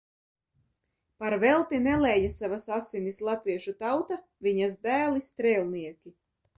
Par velti nelēja savas asinis latviešu tauta, viņas dēli strēlnieki.